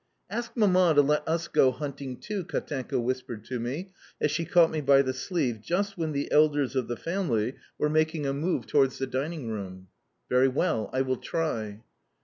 "Ask Mamma to let us go hunting too," Katenka whispered to me, as she caught me by the sleeve just when the elders of the family were making a move towards the dining room. "Very well. I will try."